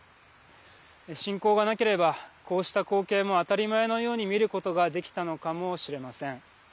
侵攻がなければ、こうした光景も当たり前のように見ることができたのかもしれません。